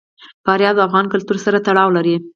فاریاب د افغان کلتور سره تړاو لري.